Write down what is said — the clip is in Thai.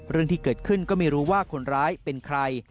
เรื่องที่เกิดขึ้นก็ไม่รู้ว่าคนร้ายเป็นใคร